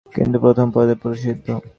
কিন্তু প্রথম মতই প্রসিদ্ধ।